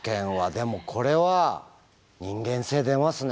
でもこれは人間性出ますね。